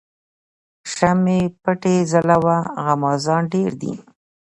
شمعی پټي ځلوه غمازان ډیر دي